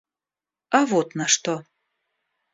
А вот на что.